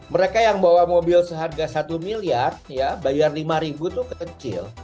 mereka yang bawa mobil seharga rp satu bayar rp lima itu kecil